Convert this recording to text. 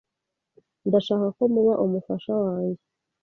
Ndashaka ko muba umufasha wanjye.